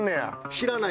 知らない。